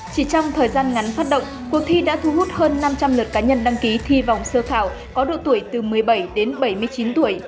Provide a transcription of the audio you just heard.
chỉ trong thời gian ngắn phát động cuộc thi đã thu hút hơn năm trăm linh lượt cá nhân đăng ký thi vòng sơ khảo có độ tuổi từ một mươi bảy đến bảy mươi chín tuổi